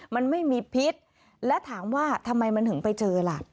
มันไม่มีพิษและถามว่าทำไมมันถึงไปเจอล่ะ